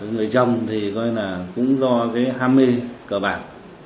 người chồng cũng do ham mê cờ bạc